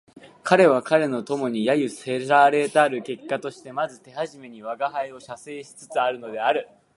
彼は彼の友に揶揄せられたる結果としてまず手初めに吾輩を写生しつつあるのである